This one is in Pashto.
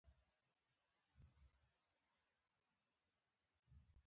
پېړۍ وړاندې په هېواد کې اله ګوله وه.